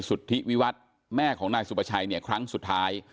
สุทธิวิวัตรแม่ของนายสุประชัยเนี่ยครั้งสุดท้าย